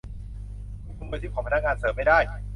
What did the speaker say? คุณขโมยทิปของพนักงานเสิร์ฟไม่ได้ !